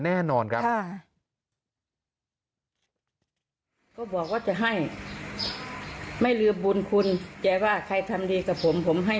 แน่นอนก็บอกว่าจะให้ไม่ลืมบุญคุณแกว่าใครทำดีกับผมให้